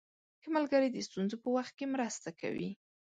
ښه ملګری د ستونزو په وخت کې مرسته کوي.